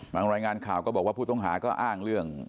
รายงานข่าวก็บอกว่าผู้ต้องหาก็อ้างเรื่อง